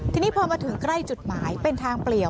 ทีนี้พอมาถึงใกล้จุดหมายเป็นทางเปลี่ยว